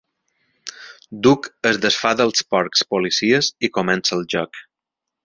Duke es desfà dels porcs policies i comença el joc.